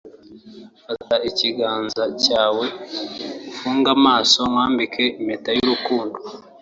”Fata ikiganza cyawe ufunge amaso nkwambike impeta y’urukundo